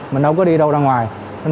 mình đâu có đi đâu ra ngoài